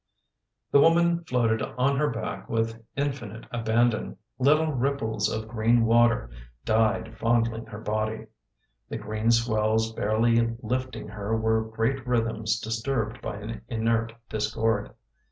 The woman floated on her back with infinite abandon. Little ripples of green water died fondling her body. The green swells barely lifting her were great rhythms disturbed by an inert discord.